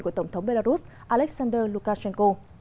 của tổng thống belarus alexander lukashenko